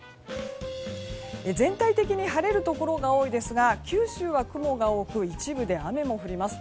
全体的に晴れるところが多いですが九州は雲が多く一部で雨も降ります。